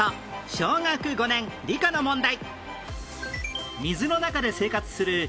小学５年理科の問題